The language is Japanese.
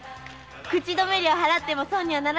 口止め料を払っても損にはならないわ。